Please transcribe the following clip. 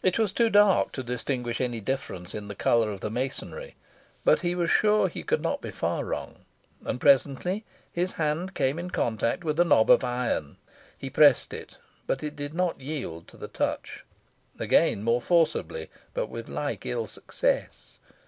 It was too dark to distinguish any difference in the colour of the masonry, but he was sure he could not be far wrong, and presently his hand came in contact with a knob of iron. He pressed it, but it did not yield to the touch. Again more forcibly, but with like ill success.